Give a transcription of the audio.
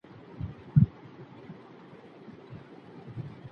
ماشین احساسات نلري.